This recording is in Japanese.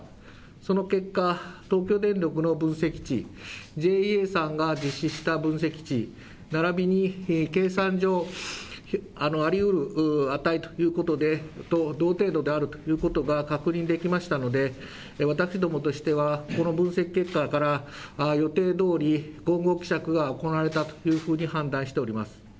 その結果、東京電力の分析値、ＪＡＥＡさんが分析した分析値、ならびに計算上、ありうる値ということで同程度であるということが確認できましたので私どもとしてはこの分析結果から予定どおり混合希釈が行われたと判断しております。